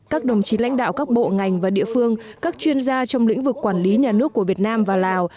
các đồng chí lãnh đạo các bộ ngành và địa phương các chuyên gia trong lĩnh vực quản lý nhà nước của việt nam và lào